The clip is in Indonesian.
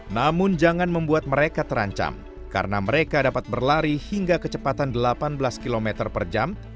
namun jangan membuat mereka terancam karena mereka dapat berlari hingga kecepatan delapan belas km per jam